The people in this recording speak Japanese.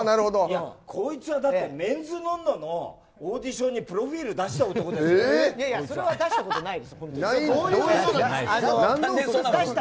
こいつは「メンズノンノ」のオーディションにプロフィール出した男ですから。